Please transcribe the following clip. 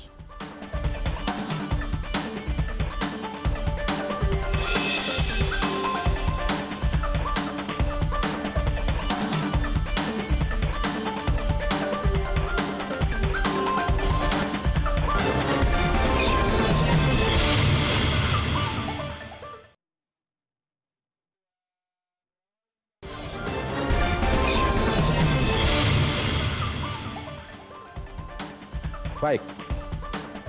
dilepas saya sedang